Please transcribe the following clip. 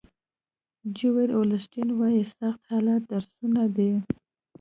جویل اولیسټن وایي سخت حالات درسونه دي.